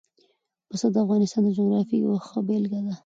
پسه د افغانستان د جغرافیې یوه ښه بېلګه ده.